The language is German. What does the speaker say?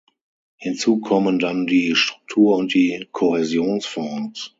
Hinzu kommen dann die Struktur-und die Kohäsionsfonds.